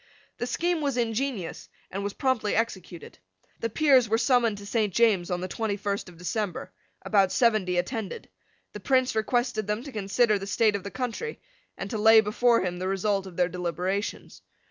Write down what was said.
The scheme was ingenious, and was promptly executed. The Peers were summoned to St. James's on the twenty first of December. About seventy attended. The Prince requested them to consider the state of the country, and to lay before him the result of their deliberations.